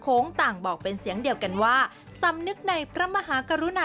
ต่างบอกเป็นเสียงเดียวกันว่าสำนึกในพระมหากรุณา